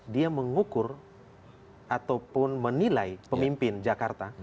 dia mengukur ataupun menilai pemimpin jakarta